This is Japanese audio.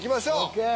ＯＫ。